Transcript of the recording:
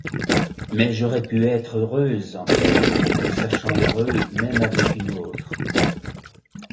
Mais j'aurais pu être heureuse encore, le sachant heureux même avec une autre.